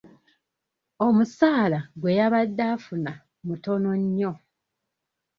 Omusaala gwe yabadde afuna mutono nnyo .